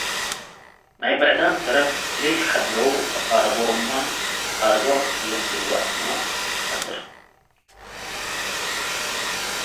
ናይ ብዕዳም ተርፍ ለኢሐድገው አቃርቦም እግል ትግበእመ ትቀድር ።